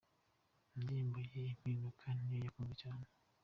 Indirimbo ye ‘Impinduka’ niyo yakunzwe cyane.